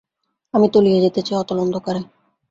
আমি তলিয়ে যেতে চাই অতল অন্ধকারে।